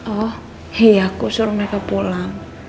oh iya aku suruh mereka pulang